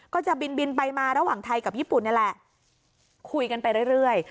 ก็จะบินบินไปมาระหว่างไทยกับญี่ปุ่นนี่แหละคุยกันไปเรื่อย